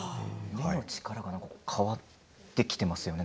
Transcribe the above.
目の力が変わってきていますよね。